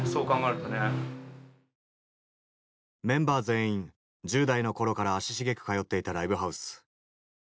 メンバー全員１０代の頃から足しげく通っていたライブハウス。